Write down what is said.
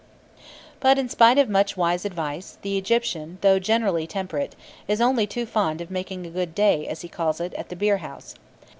But in spite of much wise advice, the Egyptian, though generally temperate, is only too fond of making "a good day," as he calls it, at the beerhouse.